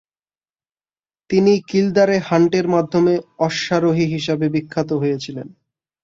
তিনি কিলদারে হান্টের মাধ্যমে অশ্বারোহী হিসাবে বিখ্যাত হয়েছিলেন।